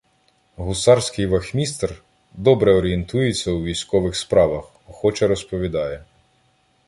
гусарський вахмістр, добре орієнтується у військових справах, охоче розповідає.